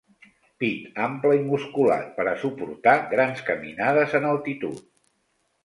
Pit ample i musculat per a suportar grans caminades en altitud.